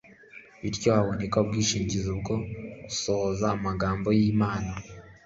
Bityo haboneka ubwishingizi bwo gusohoza amagambo y'Imana.